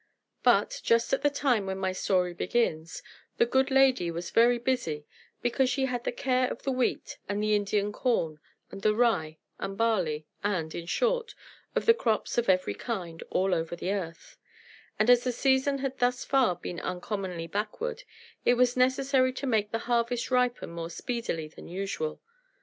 But, just at the time when my story begins, the good lady was very busy, because she had the care of the wheat, and the Indian corn, and the rye and barley, and, in short, of the crops of every kind, all over the earth; and as the season had thus far been uncommonly backward, it was necessary to make the harvest ripen more speedily than usual.